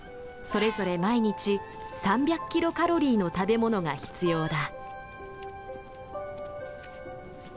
それぞれ毎日３００キロカロリーの食べ物が必要だ。